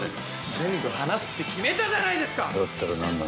全部話すって決めたじゃないですかだったら何な